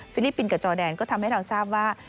ลิปปินส์กับจอแดนก็ทำให้เราทราบว่า